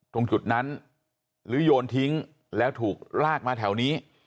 ตรงจุดนั้นหรือโยนทิ้งแล้วถูกลากมาแถวนี้